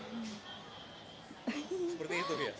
seperti itu ya